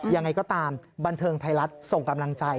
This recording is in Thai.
ยังไงก็ตามบันเทิงไทยรัฐส่งกำลังใจ